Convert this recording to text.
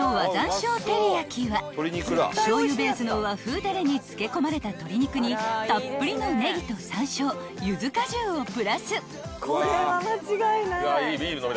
［醤油ベースの和風ダレに漬け込まれた鶏肉にたっぷりのネギと山椒ゆず果汁をプラス］